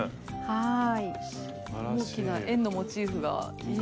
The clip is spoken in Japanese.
はい。